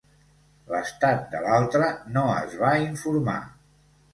L'estat de l'altre no es va informar.